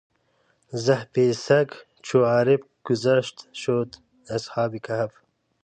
زحف سګ چو عارف ګشت شد اصحاب کهف.